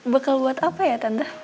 bekal buat apa ya tante